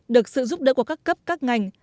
được sự giúp đỡ của các cấp các ngành